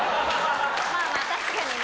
まあまあ確かにね。